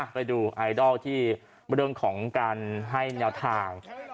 ไปดูไอดอลที่เรื่องของการให้แนวทาง